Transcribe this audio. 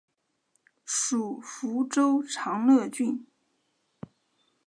属福州长乐郡。